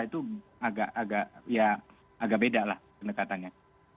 itu agak ya agak beda lah pendekatannya